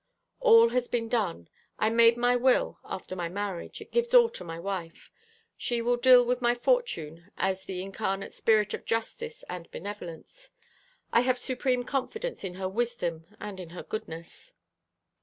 "All has been done. I made my will after my marriage. It gives all to my wife. She will deal with my fortune as the incarnate spirit of justice and benevolence. I have supreme confidence in her wisdom and in her goodness."